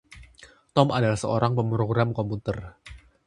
Tom adalah seorang pemrogram komputer.